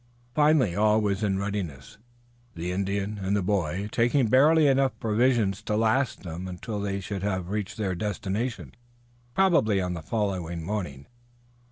Finally all was in readiness, the Indian and the boy taking barely enough provisions to last them until they should have reached their destination, probably on the following morning.